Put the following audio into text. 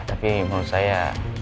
tapi menurut saya